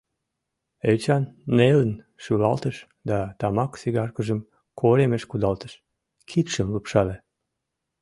Эчан нелын шӱлалтыш да тамак сигаркыжым коремыш кудалтыш, кидшым лупшале.